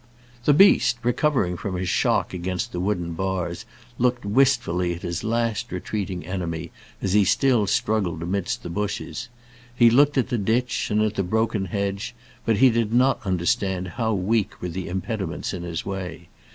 The beast, recovering from his shock against the wooden bars, looked wistfully at his last retreating enemy, as he still struggled amidst the bushes. He looked at the ditch and at the broken hedge, but he did not understand how weak were the impediments in his way.